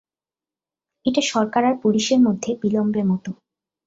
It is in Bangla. এটা সরকার আর পুলিশের মধ্যে বিলম্বের মতো।